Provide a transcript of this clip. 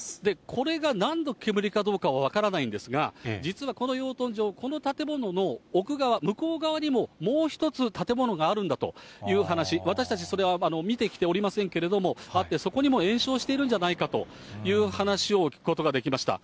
これがなんの煙かどうかは分からないんですが、実はこの養豚場、この建物の奥側、向こう側にも、もう一つ建物があるんだという話、私たちそれは見てきておりませんけれども、あって、そこにも延焼しているんじゃないかという話を聞くことができました。